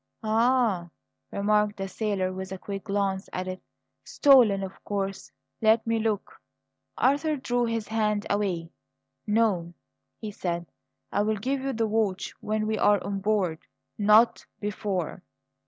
"Ah!" remarked the sailor with a quick glance at it. "Stolen, of course! Let me look!" Arthur drew his hand away. "No," he said. "I will give you the watch when we are on board; not before."